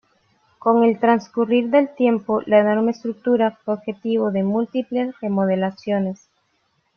Con el transcurrir del tiempo, la enorme estructura fue objetivo de múltiples remodelaciones.